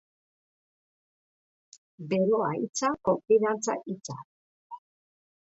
Beroa hitza, konfidantza hitza.